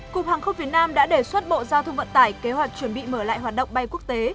cục hàng không việt nam đã đề xuất bộ giao thông vận tải kế hoạch chuẩn bị mở lại hoạt động bay quốc tế